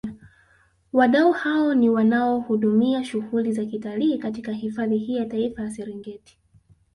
Wadau hao ni wanaohudumia shughuli za utalii katika hifadhi hii ya Taifa ya Serengeti